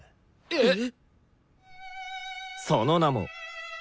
えっ。